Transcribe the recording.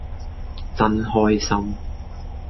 真開心